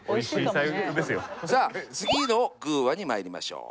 さあ次の「グぅ！話」にまいりましょう。